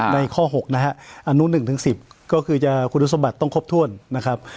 ในข้อหกนะฮะอนุหนึ่งถึงสิบก็คือคุณสมบัติต้องครบถ้วนนะครับ